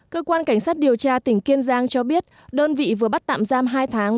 cơ quan cảnh sát điều tra tỉnh kiên giang cho biết đơn vị vừa bắt tạm giam hai tháng